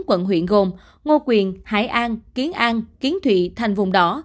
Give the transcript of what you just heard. quận huyện gồm ngo quyền hải an kiến an kiến thụy thành vùng đỏ